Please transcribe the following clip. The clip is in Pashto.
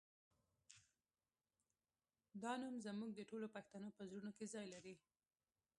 دا نوم زموږ د ټولو پښتنو په زړونو کې ځای لري